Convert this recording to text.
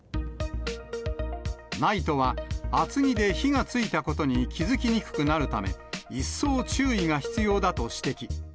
ＮＩＴＥは厚着で火がついたことに気付きにくくなるため、一層注意が必要だと指摘。